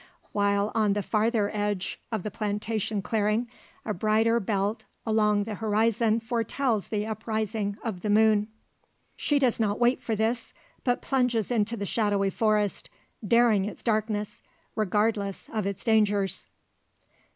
While, on the farther edge of the plantation clearing, a brighter belt along the horizon foretells the uprising of the moon. She does not wait for this; but plunges into the shadowy forest, daring its darkness, regardless of its dangers.